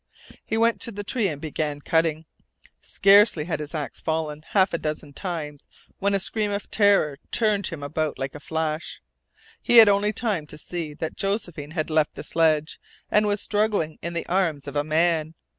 He went to the tree and began cutting. Scarcely had his axe fallen half a dozen times when a scream of terror turned him about like a flash. He had only time to see that Josephine had left the sledge, and was struggling in the arms of a man.